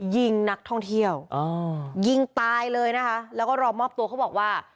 ยิงนักท่องเที่ยวยิงตายเลยนะคะแล้วก็รอมอบตัวเขาบอกว่า